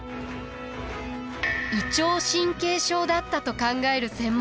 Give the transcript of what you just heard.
胃腸神経症だったと考える専門家も。